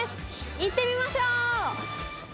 行ってみましょう！